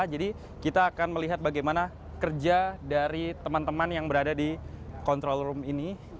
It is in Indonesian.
jadi kita akan melihat bagaimana kerja dari teman teman yang berada di kontrol room ini